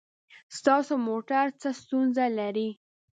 ستاسو موټر څه ستونزه لري؟